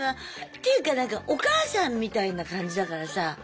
ていうか何かお母さんみたいな感じだからさ